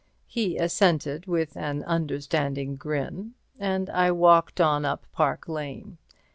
He assented with an understanding grin, and I walked on up Park Lane.